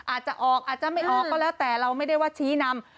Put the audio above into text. อาจจะออกอาจจะไม่ออกก็แล้วแต่เราไม่ได้ว่าชี้นำ